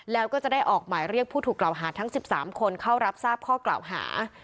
แล้วก็จะได้ออกหมายเรียกผู้ถูกกล่าวหาทั้ง๑๓คนเข้ารับทราบข้อกล่าวหา